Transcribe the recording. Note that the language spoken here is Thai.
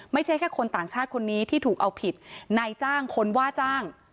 ไม่ใช่แค่คนต่างชาติคนนี้ที่ถูกเอาผิดนายจ้างคนว่าจ้าง